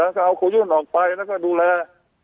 ของเอาครูยุ่นออกไปแล้วก็ดูแล